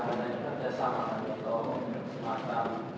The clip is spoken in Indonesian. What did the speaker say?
hanya kerjasama dengan